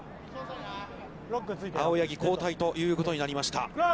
青柳交代ということになりました。